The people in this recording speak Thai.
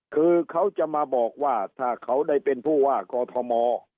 คือเขาจะมาบอกว่าถ้าเขาได้เป็นผู้ว่ากอทม